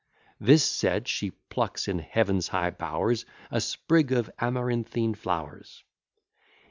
This said, she plucks in Heaven's high bowers A sprig of amaranthine flowers.